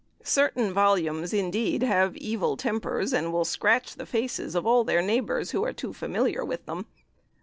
Certain volumes, indeed, have evil tempers, and will scratch the faces of all their neighbours who are too familiar with them.